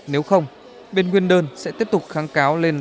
nếu không bên nguyên đơn sẽ tiếp tục kháng cáo lên